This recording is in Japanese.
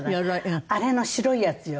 あれの白いやつよ。